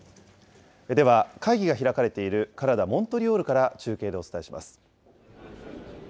では、会議が開かれているカナダ・モントリオールから中継でお伝えします。